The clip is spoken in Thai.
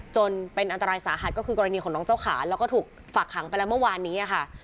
จนเป็นอันตรายสาหัสก็คือกรณีของน้องเจ้าขาแล้วก็ถูกฝากขังไปแล้วเมื่อวานนี้ค่ะ